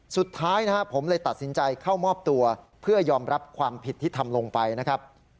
สุดท้ายนะครับผมเลยตัดสินใจเข้ามอบตัวเพื่อยอมรับความผิดที่ทำลงไปนะครับ